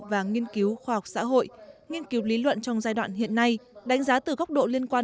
và nghiên cứu khoa học xã hội nghiên cứu lý luận trong giai đoạn hiện nay đánh giá từ góc độ liên quan